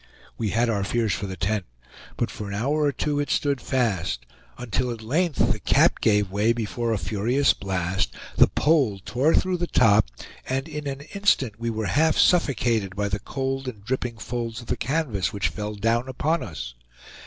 We had our fears for the tent; but for an hour or two it stood fast, until at length the cap gave way before a furious blast; the pole tore through the top, and in an instant we were half suffocated by the cold and dripping folds of the canvas, which fell down upon us.